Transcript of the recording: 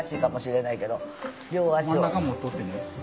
真ん中持っとってね。